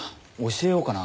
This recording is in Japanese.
教えようかな？